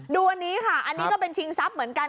ดูอันนี้ค่ะอันนี้ก็เป็นชิงทรัพย์เหมือนกัน